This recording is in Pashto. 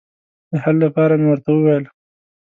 د حل لپاره مې ورته وویل.